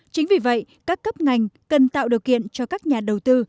chính vì vậy các cấp ngành cần tạo điều kiện cho các nhà đầu tư